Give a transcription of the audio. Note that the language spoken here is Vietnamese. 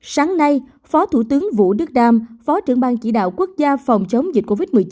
sáng nay phó thủ tướng vũ đức đam phó trưởng ban chỉ đạo quốc gia phòng chống dịch covid một mươi chín